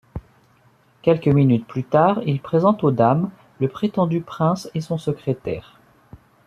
Quelques minutes plus tard, il présente aux dames le prétendu prince et son secrétaire.